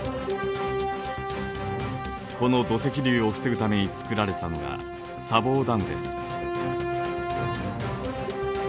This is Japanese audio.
この土石流を防ぐためにつくられたのが砂防ダムです。